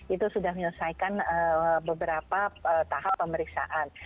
itu sudah menyelesaikan beberapa tahap pemeriksaan